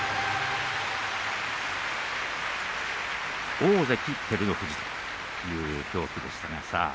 大関照ノ富士という表記でした。